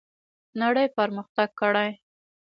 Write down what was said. نړۍ پرمختګ کړی.